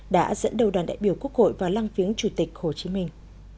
đã dẫn đầu đoàn đại biểu quốc hội vào lăng viếng chủ tịch hồ chí minh